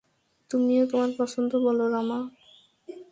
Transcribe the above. তুমিও তোমার পছন্দ বলো, রামা।